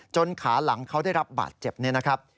ขาหลังเขาได้รับบาดเจ็บเนี่ยนะครับ